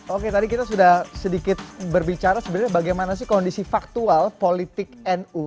oke tadi kita sudah sedikit berbicara sebenarnya bagaimana sih kondisi faktual politik nu